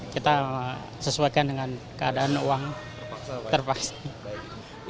kita sesuaikan dengan keadaan uang terpaksa